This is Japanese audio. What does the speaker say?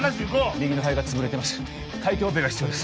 右の肺が潰れてます